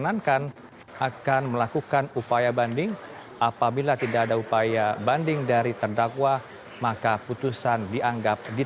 sekedar tujuh hari tidak menyatakan sikap maka dianggap menerima putusan ini